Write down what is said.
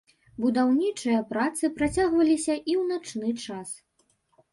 Будаўнічыя працы працягваліся і ў начны час.